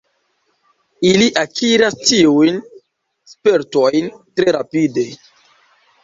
Ili akiras tiujn spertojn tre rapide.